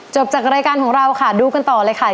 จากรายการของเราค่ะดูกันต่อเลยค่ะ